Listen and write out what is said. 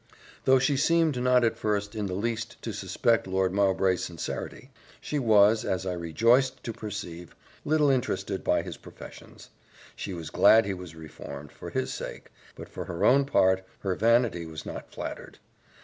Though she seemed not at first in the least to suspect Lord Mowbray's sincerity, she was, as I rejoiced to perceive, little interested by his professions: she was glad he was reformed, for his sake; but for her own part, her vanity was not flattered.